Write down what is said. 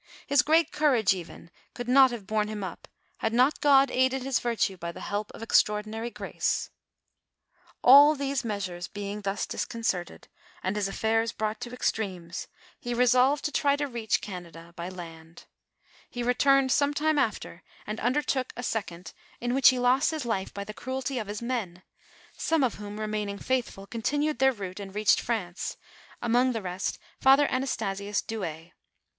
His great courage even could not have borne him up, had not God aided his virtue by the help of extraordinary grace. All these measures being thus disconcerted, and his aflaira brought to extremes, he resolved to try to reach Canada by land ; he returned some time after, and undertook a second in which he lost his life by the cruelty of his men, some of whom remaining faithful, continued their route and reached France, among the rest Father Anastasius Douay.